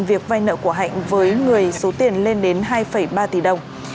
việc vay nợ của hạnh với người số tiền lên đến hai ba tỷ đồng